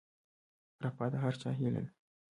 رفاه د هر چا هیله ده